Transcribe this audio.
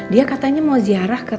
dia katanya mau ziarah